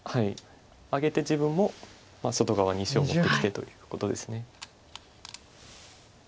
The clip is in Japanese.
あげて自分も外側に石を持ってきてということです。